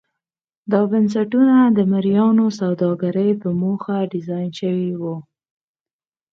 دا بنسټونه د مریانو سوداګرۍ په موخه ډیزاین شوي وو.